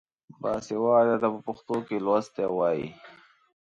باسواده ته په پښتو کې لوستی وايي.